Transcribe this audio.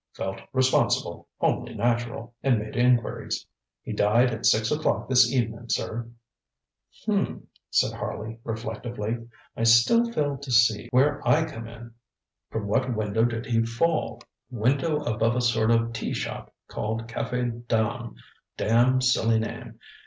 Felt responsible, only natural, and made inquiries. He died at six o'clock this evenin', sir. ŌĆØ ŌĆ£H'm,ŌĆØ said Harley reflectively. ŌĆ£I still fail to see where I come in. From what window did he fall? ŌĆØ ŌĆ£Window above a sort of teashop, called Cafe Dame damn silly name.